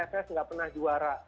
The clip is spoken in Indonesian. afs tidak pernah juara